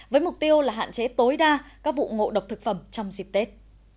với mục tiêu là hạn chế tối đa các vụ ngộ độc thực phẩm trong dịp tết